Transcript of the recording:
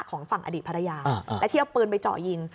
ของฝั่งอดีตภรรยาและที่เอาปืนไปเจาะยิง